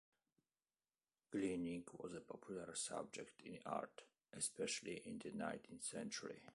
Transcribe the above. Gleaning was a popular subject in art, especially in the nineteenth century.